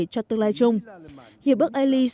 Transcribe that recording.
cho tương lai chung hiệp bức eilis